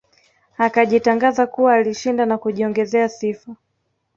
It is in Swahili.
Akajitangaza kuwa alishinda na kujiongezea sifa